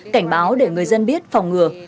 cảnh báo để người dân biết phòng ngừa